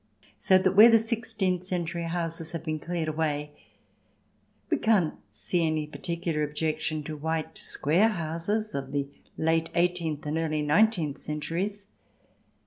So that where the sixteenth century houses have been cleared away we can't see any particular objection to white square houses of the late eighteenth and early nineteenth centuries.